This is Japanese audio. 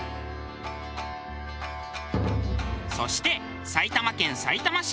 そして埼玉県さいたま市